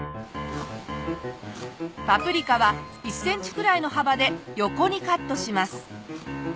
パプリカは１センチくらいの幅で横にカットします。